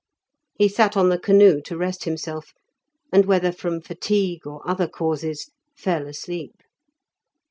He sat on the canoe to rest himself, and, whether from fatigue or other causes, fell asleep.